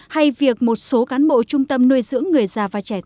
hay việc một số cán bộ trung tâm nuôi dưỡng người già và trẻ nhỏ